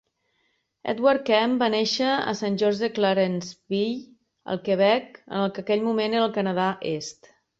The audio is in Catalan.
Edward Kemp va néixer a Saint-Georges-de-Clarenceville, al Quebec, en el que en aquell moment era el Canadà Est.